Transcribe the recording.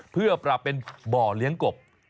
เพื่อปรับเป็นบ่อเลี้ยงกบ